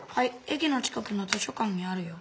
えきの近くの図書館にあるよ。